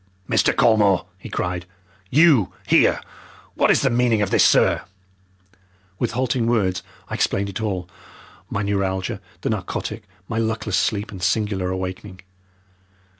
"Mr. Colmore!" he cried. "You here! What is the meaning of this, sir?" With halting words I explained it all, my neuralgia, the narcotic, my luckless sleep and singular awakening.